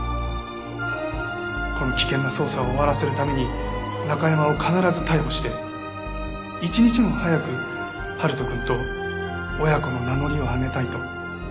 この危険な捜査を終わらせるためにナカヤマを必ず逮捕して一日も早く春人くんと親子の名乗りを上げたいと。